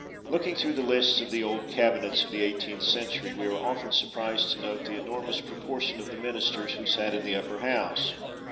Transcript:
Looking through the lists of the old cabinets of the eighteenth century, we are often surprised to note the enormous proportion of the ministers who sat in the Upper House.